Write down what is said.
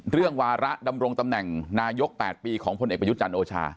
วาระดำรงตำแหน่งนายก๘ปีของพลเอกประยุทธ์จันทร์โอชา